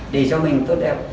để cho mình tốt đẹp